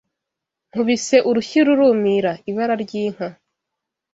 Nkubise urushyi rurumira ibara ry,inka